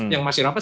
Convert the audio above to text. yang masih rapat